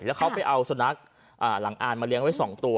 แล้วเขาไปเอาสุนัขหลังอ่านมาเลี้ยงไว้๒ตัว